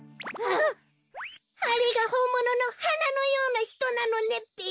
あれがほんもののはなのようなひとなのねべ。